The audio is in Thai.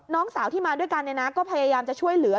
น้องสาวที่มาด้วยกันก็พยายามจะช่วยเหลือ